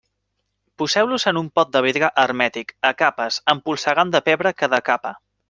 Poseu-los en un pot de vidre hermètic, a capes, empolsegant de pebre cada capa.